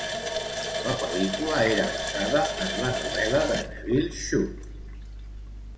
La pel·lícula era basada en la novel·la de Nevil Shute.